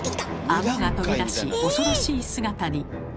アゴが飛び出し恐ろしい姿に。